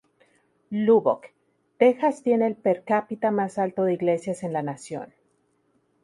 Lubbock, Texas tiene el per cápita más alto de iglesias en la nación.